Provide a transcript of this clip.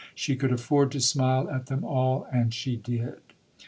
She could afford to smile at them all and she did.